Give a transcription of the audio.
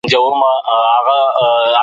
کاردستي د شیانو او وسایلو مهارت پیاوړی کوي.